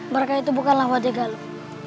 baraka itu bukanlah wadah galuh